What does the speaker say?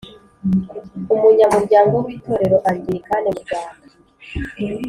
umunyamuryango w Itorero Angilikani mu Rwanda